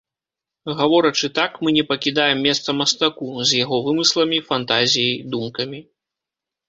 Гаворачы так, мы не пакідаем месца мастаку, з яго вымысламі, фантазіяй, думкамі.